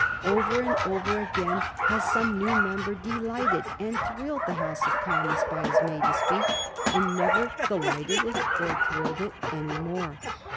Over and over again has some new member delighted and thrilled the House of Commons by his maiden speech, and never delighted it or thrilled it any more.